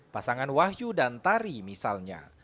pasangan wahyu dan tari misalnya